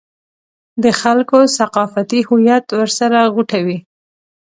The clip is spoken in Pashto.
د خلکو ثقافتي هویت ورسره غوټه وي.